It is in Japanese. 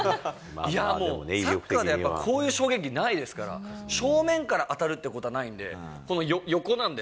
いやー、もう、サッカーでやっぱこういう衝撃ないですから、正面から当たるっていうことはないんで。